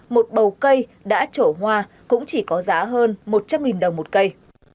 một bầu cây đã trổ hoa cũng chỉ có giá hơn một trăm linh đồng một cây